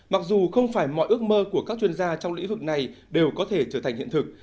mặc dù không phải mọi ước mơ của các chuyên gia trong lĩnh vực này đều có thể trở thành hiện thực